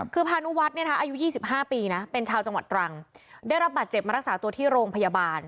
คือพานุวัฒน์อายุ๒๕ปีนะเป็นชาวจังหวัดตรังได้รับบาดเจ็บมารักษาตัวที่โรงพยาบาล